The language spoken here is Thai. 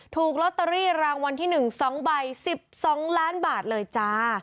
ถูกลอตเตอรี่รางวัลที่๑๒ใบ๑๒ล้านบาทเลยจ้า